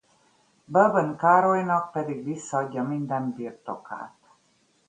Bourbon Károlynak pedig visszaadja minden birtokát.